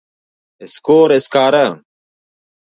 سکور، سکارۀ